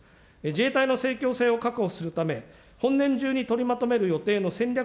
自衛隊のせいきょう性を確保するため、本年中に取りまとめる予定の戦略